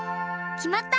きまった！